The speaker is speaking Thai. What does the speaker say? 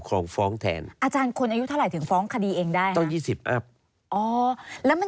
อ๋อแล้วมันเจอบัญชาเนี่ย